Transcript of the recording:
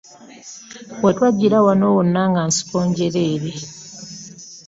We twajjira wano wonna nga nsiko njereere.